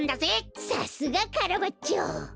さすがカラバッチョ。